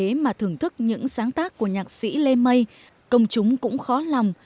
để mà thưởng thức những sáng tác của nhạc sĩ lê mây công chúng cũng khó lòng